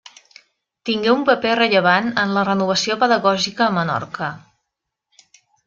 Tengué un paper rellevant en la renovació pedagògica a Menorca.